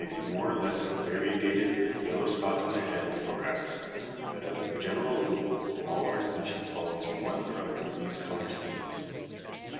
] be more or less variegated with yellow spots on the head and thorax, but as a general rule all our species fall into one or other of these colour schemes.